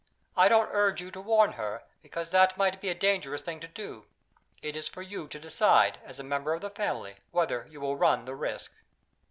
I don't urge you to warn her, because that might be a dangerous thing to do. It is for you to decide, as a member of the family, whether you will run the risk."